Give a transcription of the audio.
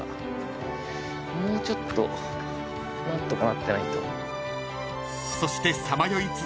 もうちょっと何とかなってないと。